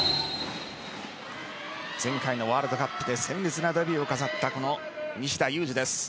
前回のワールドカップで鮮烈なデビューを飾ったこの西田有志です。